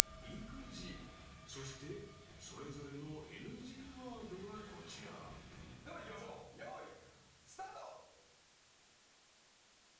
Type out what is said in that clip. ［そしてそれぞれのＮＧワードがこちら］ではいきましょうよいスタート。